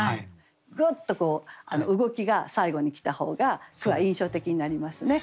グッと動きが最後に来た方が句は印象的になりますね。